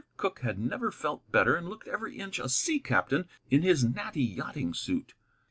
Cooke had never felt better, and looked every inch a sea captain in his natty yachting suit.